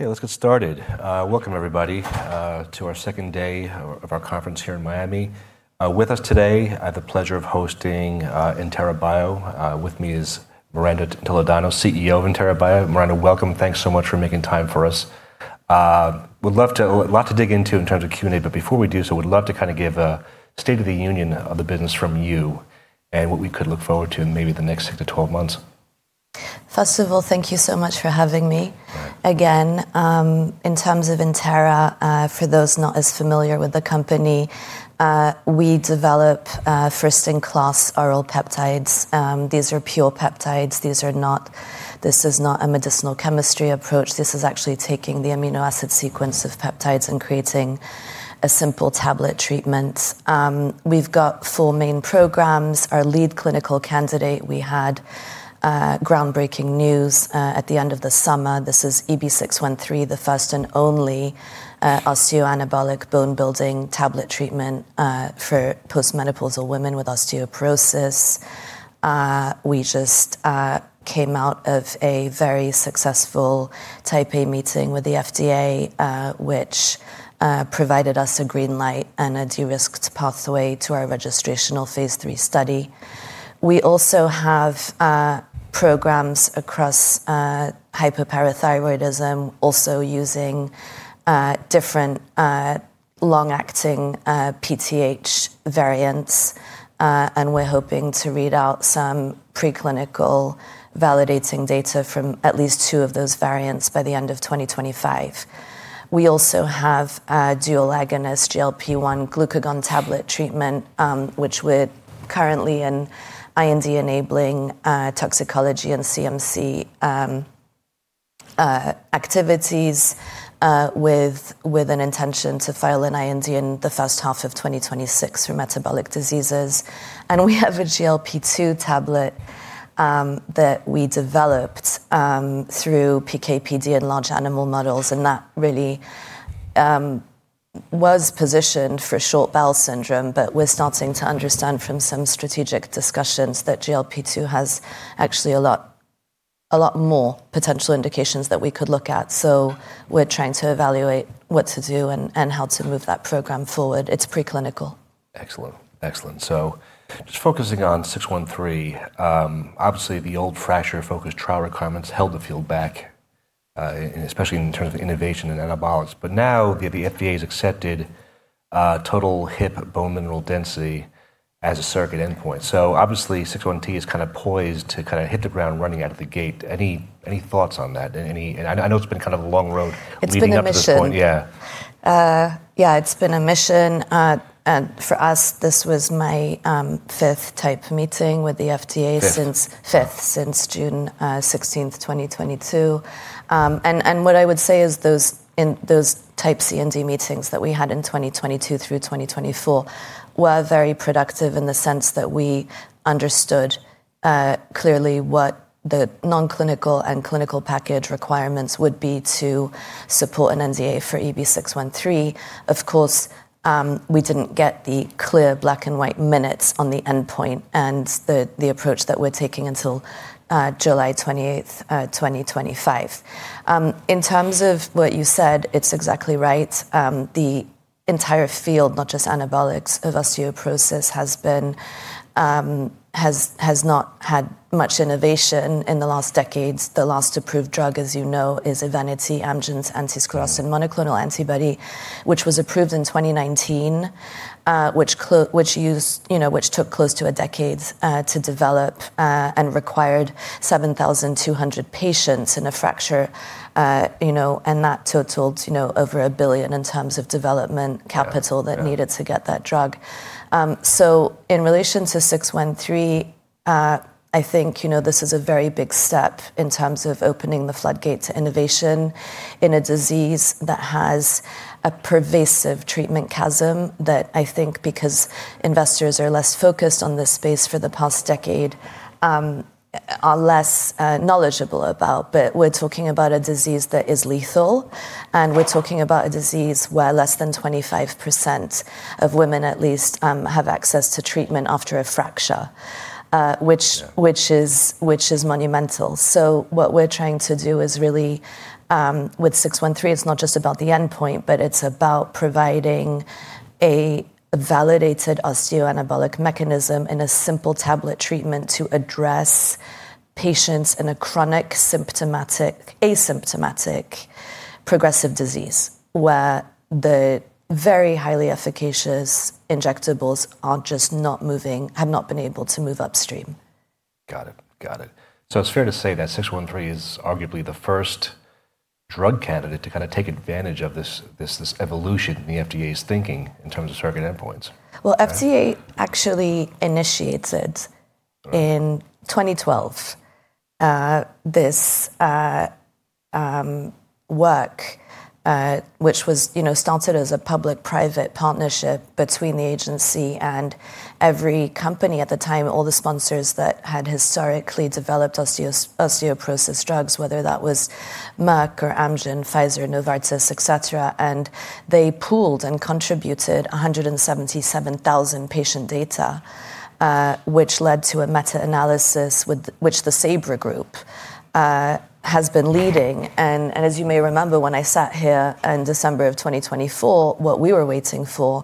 Okay, let's get started. Welcome, everybody, to our second day of our conference here in Miami. With us today, I have the pleasure of hosting Entera Bio. With me is Miranda Toledano, CEO of Entera Bio. Miranda, welcome. Thanks so much for making time for us. We'd love to dig into in terms of Q&A, but before we do so, we'd love to kind of give a state of the union of the business from you and what we could look forward to in maybe the next six to 12 months. First of all, thank you so much for having me again. In terms of Entera, for those not as familiar with the company, we develop first-in-class oral peptides. These are pure peptides. This is not a medicinal chemistry approach. This is actually taking the amino acid sequence of peptides and creating a simple tablet treatment. We've got four main programs. Our lead clinical candidate, we had groundbreaking news at the end of the summer. This is EB613, the first and only osteoanabolic bone-building tablet treatment for postmenopausal women with osteoporosis. We just came out of a very successful Type A meeting with the FDA, which provided us a green light and a de-risked pathway to our registrational phase three study. We also have programs across hyperparathyroidism, also using different long-acting PTH variants. And we're hoping to read out some preclinical validating data from at least two of those variants by the end of 2025. We also have dual agonist GLP-1 glucagon tablet treatment, which we're currently in IND enabling toxicology and CMC activities with an intention to file an IND in the first half of 2026 for metabolic diseases. And we have a GLP-2 tablet that we developed through PKPD and large animal models. And that really was positioned for short bowel syndrome, but we're starting to understand from some strategic discussions that GLP-2 has actually a lot more potential indications that we could look at. So we're trying to evaluate what to do and how to move that program forward. It's preclinical. Excellent. Excellent. So just focusing on EB613, obviously the old fracture-focused trial requirements held the field back, especially in terms of innovation and anabolics. But now the FDA has accepted total hip bone mineral density as a surrogate endpoint. So obviously EB613 is kind of poised to kind of hit the ground running out of the gate. Any thoughts on that? And I know it's been kind of a long road. It's been a mission. Yeah. Yeah, it's been a mission. For us, this was my fifth Type meeting with the FDA since June 16th, 2022. And what I would say is those Type C and D meetings that we had in 2022 through 2024 were very productive in the sense that we understood clearly what the non-clinical and clinical package requirements would be to support an NDA for EB613. Of course, we didn't get the clear black and white minutes on the endpoint and the approach that we're taking until July 28th, 2025. In terms of what you said, it's exactly right. The entire field, not just anabolics of osteoporosis, has not had much innovation in the last decades. The last approved drug, as you know, is Evanity, Amgen's anti-sclerostin monoclonal antibody, which was approved in 2019, which took close to a decade to develop and required 7,200 patients in a fracture. That totaled over $1 billion in terms of development capital that needed to get that drug. In relation to EB613, I think this is a very big step in terms of opening the floodgate to innovation in a disease that has a pervasive treatment chasm that I think because investors are less focused on this space for the past decade, are less knowledgeable about. But we're talking about a disease that is lethal. We're talking about a disease where less than 25% of women at least have access to treatment after a fracture, which is monumental. So what we're trying to do is really, with EB613, it's not just about the endpoint, but it's about providing a validated osteoanabolic mechanism in a simple tablet treatment to address patients in a chronic symptomatic, asymptomatic progressive disease where the very highly efficacious injectables are just not moving, have not been able to move upstream. Got it. Got it. So it's fair to say that EB613 is arguably the first drug candidate to kind of take advantage of this evolution in the FDA's thinking in terms of surrogate endpoints. FDA actually initiated in 2012 this work, which was started as a public-private partnership between the agency and every company at the time, all the sponsors that had historically developed osteoporosis drugs, whether that was Merck or Amgen, Pfizer, Novartis, et cetera. They pooled and contributed 177,000 patient data, which led to a meta-analysis with which the SABRE group has been leading. As you may remember, when I sat here in December of 2024, what we were waiting for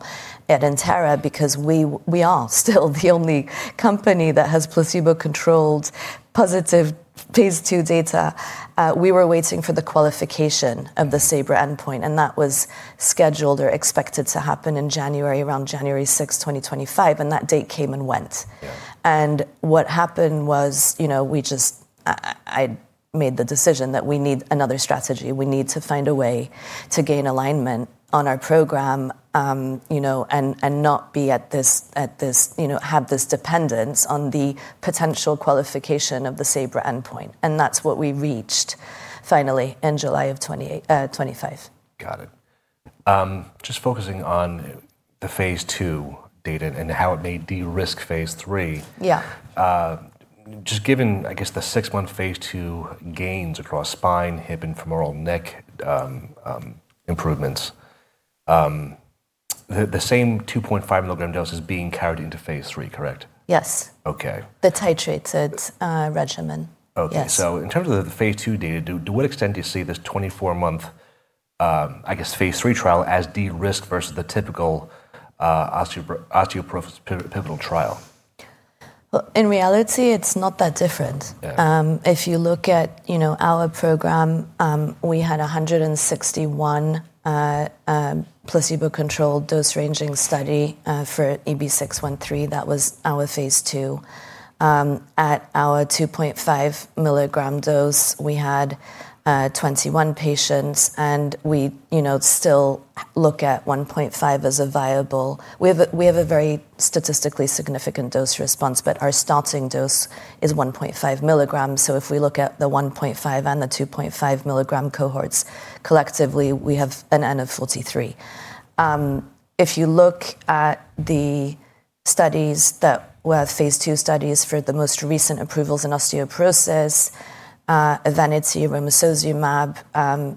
at Entera, because we are still the only company that has placebo-controlled positive phase two data, we were waiting for the qualification of the SABRE endpoint. That was scheduled or expected to happen in January, around January 6th, 2025. That date came and went. What happened was I made the decision that we need another strategy. We need to find a way to gain alignment on our program and not have this dependence on the potential qualification of the SABRE endpoint, and that's what we reached finally in July of 2025. Got it. Just focusing on the phase two data and how it may de-risk phase three. Yeah. Just given, I guess, the six-month phase two gains across spine, hip, and femoral neck improvements, the same 2.5 mg dose is being carried into phase three, correct? Yes. Okay. The titrated regimen. Okay. So in terms of the phase two data, to what extent do you see this 24-month, I guess, phase three trial as de-risked versus the typical osteoporosis pivotal trial? In reality, it's not that different. If you look at our program, we had 161 placebo-controlled dose-ranging studies for EB613. That was our phase two. At our 2.5 mg dose, we had 21 patients, and we still look at 1.5 mg as a viable. We have a very statistically significant dose response, but our starting dose is 1.5 mg, so if we look at the 1.5 mg and the 2.5 mg cohorts collectively, we have an N of 43. If you look at the studies that were phase two studies for the most recent approvals in osteoporosis, Evanity, Romosozumab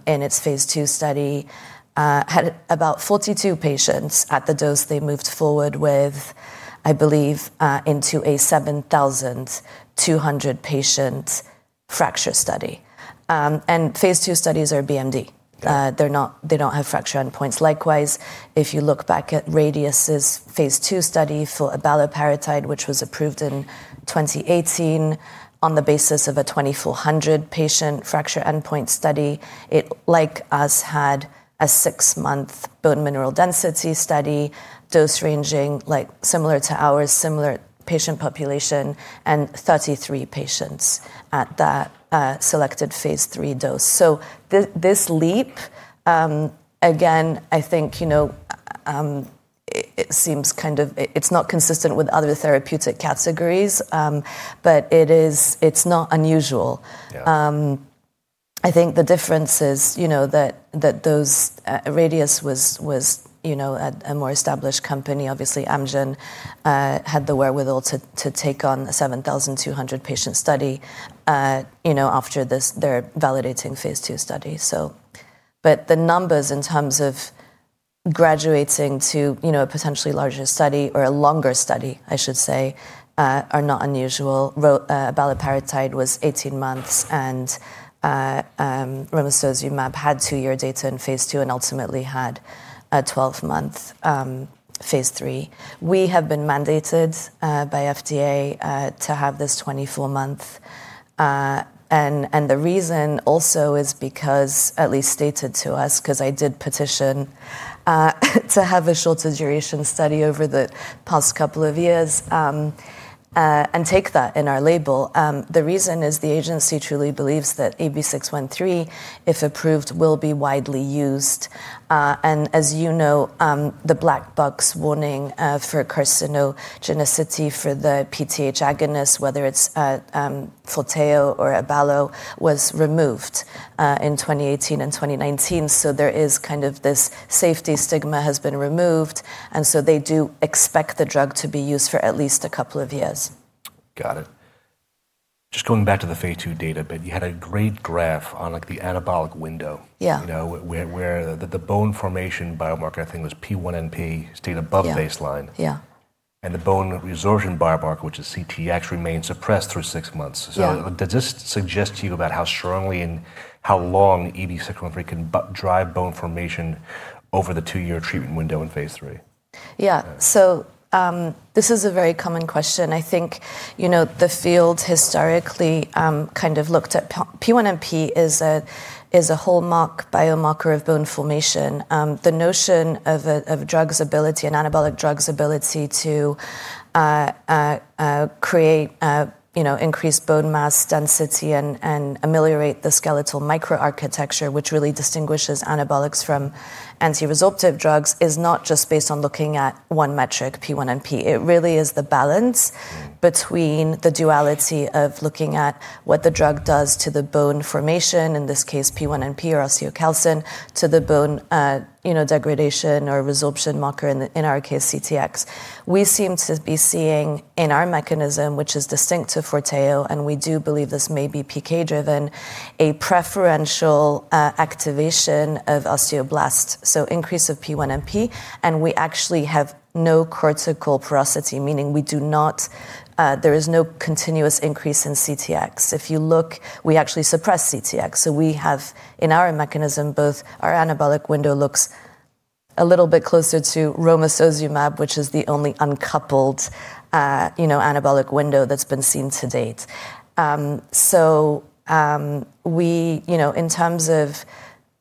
in its phase two study had about 42 patients at the dose they moved forward with, I believe, into a 7,200 patient fracture study, and phase two studies are BMD. They don't have fracture endpoints. Likewise, if you look back at Radius's phase 2 study for abaloparatide, which was approved in 2018 on the basis of a 2,400-patient fracture endpoint study, it, like us, had a six-month bone mineral density study dose ranging similar to ours, similar patient population, and 33 patients at that selected phase 3 dose. So this leap, again, I think it seems kind of it's not consistent with other therapeutic categories, but it's not unusual. I think the difference is that Radius was a more established company. Obviously, Amgen had the wherewithal to take on a 7,200-patient study after their validating phase 2 study. But the numbers in terms of graduating to a potentially larger study or a longer study, I should say, are not unusual. Abaloparatide was 18 months, and romosozumab had two-year data in phase 2 and ultimately had a 12-month phase 3. We have been mandated by FDA to have this 24-month, and the reason also is because, at least stated to us, because I did petition to have a shorter duration study over the past couple of years and take that in our label. The reason is the agency truly believes that EB613, if approved, will be widely used, and as you know, the black box warning for carcinogenicity for the PTH agonist, whether it's Forteo or Abaloparatide, was removed in 2018 and 2019. So there is kind of this safety stigma has been removed, and so they do expect the drug to be used for at least a couple of years. Got it. Just going back to the phase 2 data, but you had a great graph on the anabolic window where the bone formation biomarker, I think it was P1NP, stayed above baseline. Yeah. And the bone resorption biomarker, which is CTX, remained suppressed through six months. So does this suggest to you about how strongly and how long EB613 can drive bone formation over the two-year treatment window in phase three? Yeah. So this is a very common question. I think the field historically kind of looked at P1NP as a hallmark biomarker of bone formation. The notion of drugs' ability and anabolic drugs' ability to create increased bone mass density and ameliorate the skeletal microarchitecture, which really distinguishes anabolics from anti-resorptive drugs, is not just based on looking at one metric, P1NP. It really is the balance between the duality of looking at what the drug does to the bone formation, in this case, P1NP or osteocalcin, to the bone degradation or resorption marker, in our case, CTX. We seem to be seeing in our mechanism, which is distinct to Forteo, and we do believe this may be PK-driven, a preferential activation of osteoblasts. So increase of P1NP, and we actually have no cortical porosity, meaning there is no continuous increase in CTX. If you look, we actually suppress CTX. So we have, in our mechanism, both our anabolic window looks a little bit closer to Romosozumab, which is the only uncoupled anabolic window that's been seen to date. So in terms of,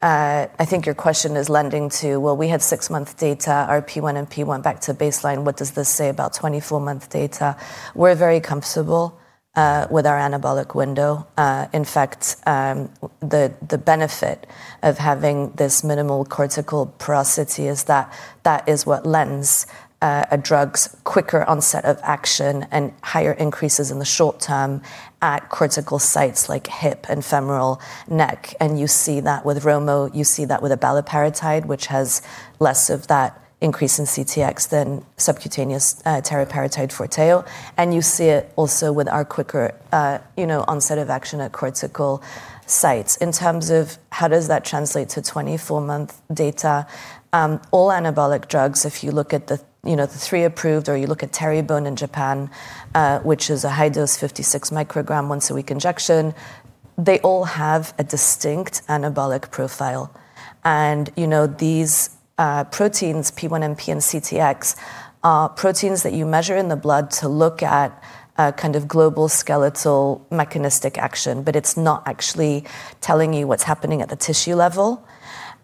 I think your question is lending to, well, we have six-month data, our P1NP went back to baseline. What does this say about 24-month data? We're very comfortable with our anabolic window. In fact, the benefit of having this minimal cortical porosity is that that is what lends a drug's quicker onset of action and higher increases in the short term at cortical sites like hip and femoral neck. And you see that with Romo, you see that with abaloparatide, which has less of that increase in CTX than subcutaneous teriparatide Forteo. And you see it also with our quicker onset of action at cortical sites. In terms of how does that translate to 24-month data, all anabolic drugs, if you look at the three approved or you look at Teribone in Japan, which is a high dose, 56 microgram once-a-week injection, they all have a distinct anabolic profile. And these proteins, P1NP and CTX, are proteins that you measure in the blood to look at kind of global skeletal mechanistic action, but it's not actually telling you what's happening at the tissue level.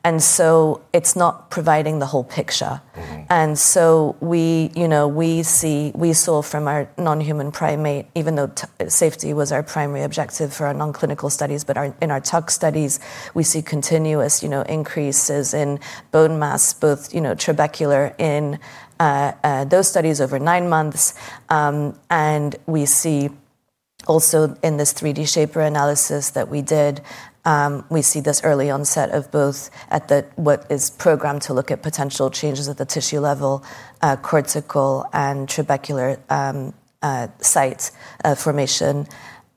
And so it's not providing the whole picture. And so we saw from our non-human primate, even though safety was our primary objective for our non-clinical studies, but in our TUG studies, we see continuous increases in bone mass, both trabecular in those studies over nine months. And we see also in this 3D Shaper analysis that we did. We see this early onset of both at what is programmed to look at potential changes at the tissue level, cortical and trabecular site formation.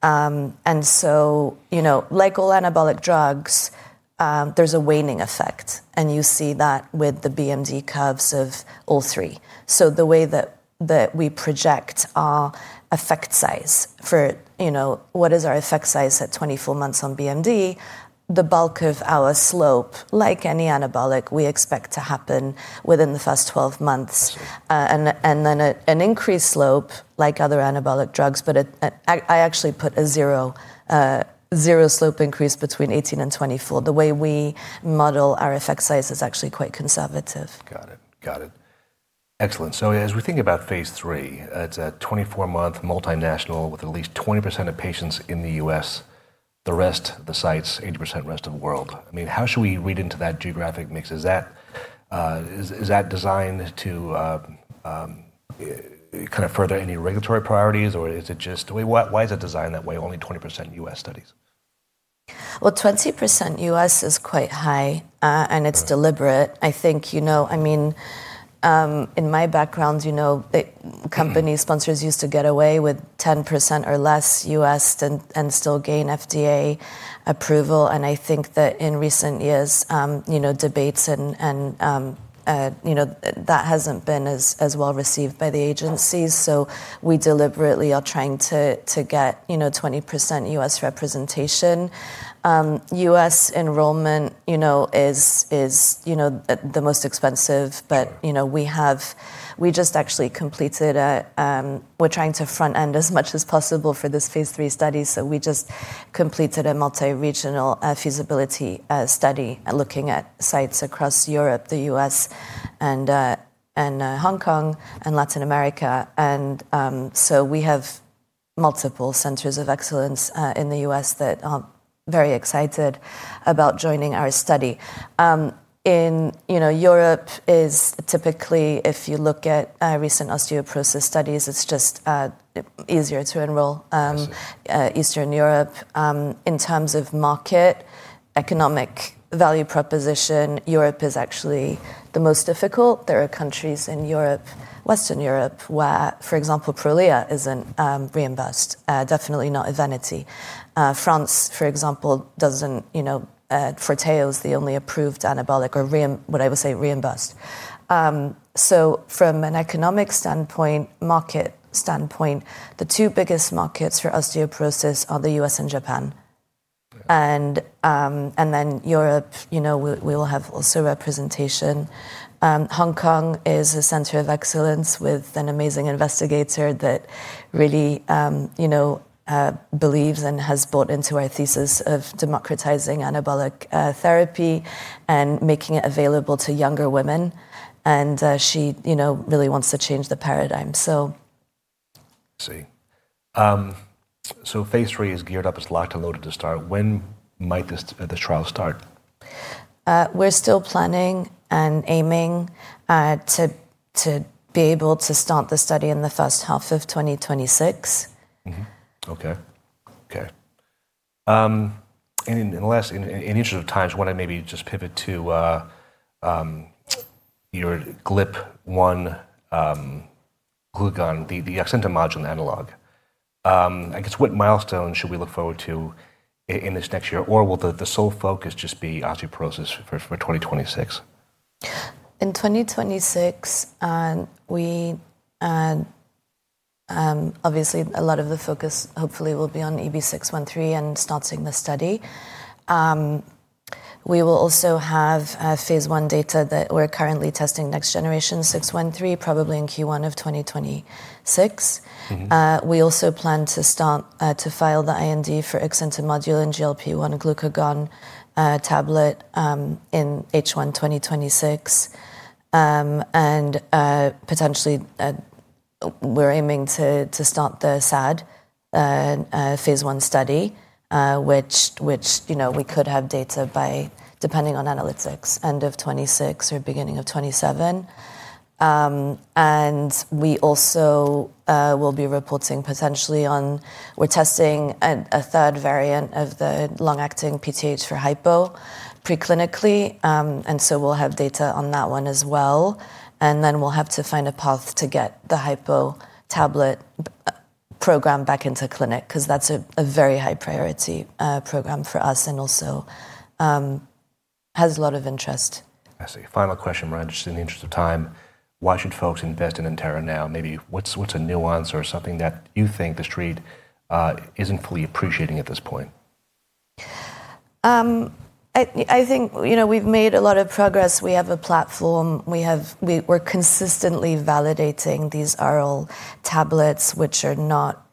And so, like all anabolic drugs, there's a waning effect. And you see that with the BMD curves of all three. So the way that we project our effect size for what is our effect size at 24 months on BMD, the bulk of our slope, like any anabolic, we expect to happen within the first 12 months. And then an increased slope, like other anabolic drugs, but I actually put a zero slope increase between 18 and 24. The way we model our effect size is actually quite conservative. Got it. Got it. Excellent. So as we think about phase three, it's a 24-month multinational with at least 20% of patients in the U.S., the rest of the sites, 80% rest of the world. I mean, how should we read into that geographic mix? Is that designed to kind of further any regulatory priorities, or is it just, why is it designed that way, only 20% U.S. studies? 20% U.S. is quite high, and it's deliberate. I think, you know, I mean, in my background, you know, companies, sponsors used to get away with 10% or less U.S. and still gain FDA approval. I think that in recent years, debates, and that hasn't been as well received by the agencies. We deliberately are trying to get 20% U.S. representation. U.S. enrollment is the most expensive, but we just actually completed a, we're trying to front-end as much as possible for this phase three study. We just completed a multi-regional feasibility study looking at sites across Europe, the U.S., and Hong Kong and Latin America. We have multiple centers of excellence in the U.S. that are very excited about joining our study. In Europe, it's typically, if you look at recent osteoporosis studies, it's just easier to enroll. Eastern Europe, in terms of market, economic value proposition, Europe is actually the most difficult. There are countries in Europe, Western Europe, where, for example, Prolia isn't reimbursed, definitely not Evenity. France, for example, doesn't. Forteo is the only approved anabolic or what I would say reimbursed, so from an economic standpoint, market standpoint, the two biggest markets for osteoporosis are the US and Japan, and then Europe, we will have also representation. Hong Kong is a center of excellence with an amazing investigator that really believes and has bought into our thesis of democratizing anabolic therapy and making it available to younger women, and she really wants to change the paradigm, so. I see. So phase three is geared up, it's locked and loaded to start. When might this trial start? We're still planning and aiming to be able to start the study in the first half of 2026. Okay. In the interest of time, I want to maybe just pivot to your GLP-1 glucagon oxyntomodulin analog. I guess what milestone should we look forward to in this next year, or will the sole focus just be osteoporosis for 2026? In 2026, obviously, a lot of the focus hopefully will be on EB613 and starting the study. We will also have phase one data that we're currently testing next generation 613, probably in Q1 of 2026. We also plan to file the IND for oxyntomodulin and GLP-1 glucagon tablet in H1 2026, and potentially, we're aiming to start the SAD phase one study, which we could have data by, depending on enrollment, end of 2026 or beginning of 2027, and we also will be reporting potentially on, we're testing a third variant of the long-acting PTH for hypo preclinically, and so we'll have data on that one as well, and then we'll have to find a path to get the hypo tablet program back into clinic because that's a very high priority program for us and also has a lot of interest. I see. Final question, Ranj, just in the interest of time, why should folks invest in Entera now? Maybe what's a nuance or something that you think the street isn't fully appreciating at this point? I think we've made a lot of progress. We have a platform. We're consistently validating these oral tablets, which are not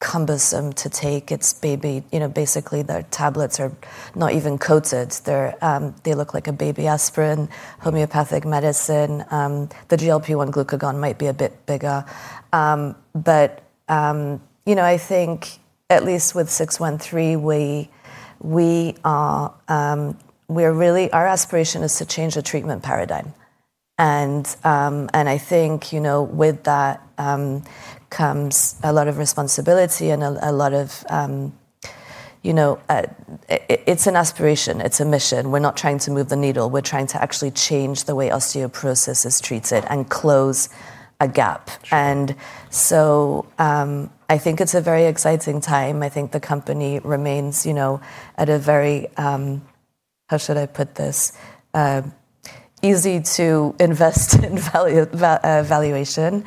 cumbersome to take. It's baby, basically their tablets are not even coated. They look like a baby aspirin, homeopathic medicine. The GLP-1 glucagon might be a bit bigger. But I think at least with 613, we are really, our aspiration is to change the treatment paradigm. And I think with that comes a lot of responsibility and a lot of, it's an aspiration, it's a mission. We're not trying to move the needle. We're trying to actually change the way osteoporosis is treated and close a gap. And so I think it's a very exciting time. I think the company remains at a very, how should I put this, easy to invest in valuation.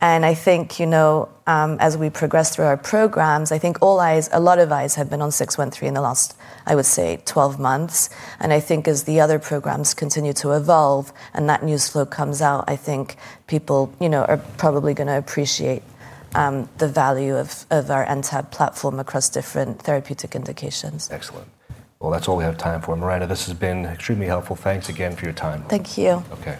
I think as we progress through our programs, I think all eyes, a lot of eyes have been on 613 in the last, I would say, 12 months. I think as the other programs continue to evolve and that news flow comes out, I think people are probably going to appreciate the value of our NTAB platform across different therapeutic indications. Excellent. Well, that's all we have time for. Miranda, this has been extremely helpful. Thanks again for your time. Thank you. Okay.